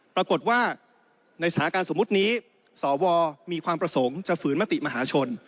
ปรากฏว่าในสถานการณ์สมมุตินี้สวมีความประสงค์จะฝืนมติมหาชน